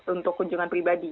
untuk kunjungan pribadi